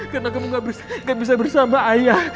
karena kamu gak bisa bersama ayah